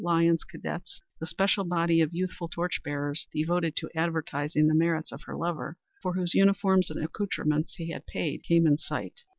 Lyons Cadets, the special body of youthful torch bearers devoted to advertising the merits of her lover, for whose uniforms and accoutrements he had paid, came in sight.